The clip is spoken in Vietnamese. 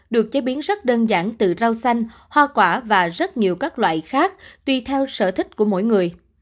được chế biến rất đơn giản từ rau xanh hoa quả và rất nhiều các loại khác tùy theo sở thích của mỗi người